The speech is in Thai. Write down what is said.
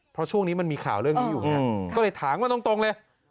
เพราะช่วงนี้มันมีข่าวเรื่องนี้อยู่ไงก็เลยถามมาตรงเลย